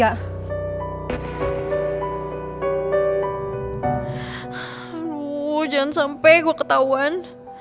aduh jangan sampe gue ketauan